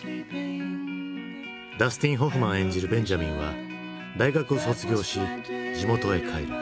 ダスティン・ホフマン演じるベンジャミンは大学を卒業し地元へ帰る。